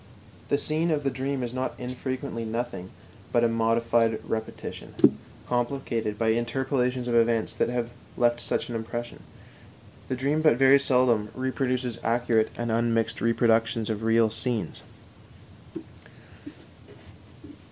The scene of the dream is not infrequently nothing but a modified repetition, complicated by interpolations of events that have left such an impression; the dream but very seldom reproduces accurate and unmixed reproductions of real scenes.